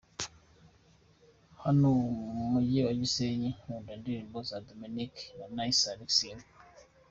hano mu mujyi wa Gisenyi, nkunda indirimbo za Dominic Nic na Alexis ariko.